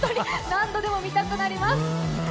何度でも見たくなります。